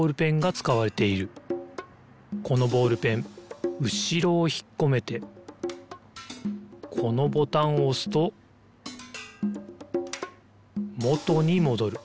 このボールペンうしろをひっこめてこのボタンをおすともとにもどる。